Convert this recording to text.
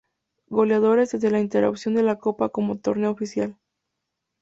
Goleadores desde la instauración de la Copa como torneo oficial.